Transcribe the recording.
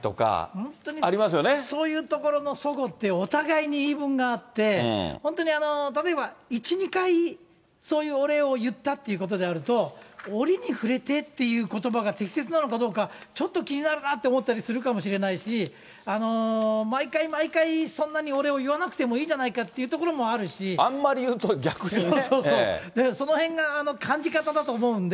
本当にそういうところのそごって、お互いに言い分があって、本当に、例えば１、２回、そういうお礼を言ったっていうことであると、折に触れてっていうことばが適切なのかどうか、ちょっと気になるなと思ったりするかもしれないし、毎回毎回そんなにお礼を言わなくてもいいじゃないかというところあんまり言うと、そのへんが感じ方だと思うんで。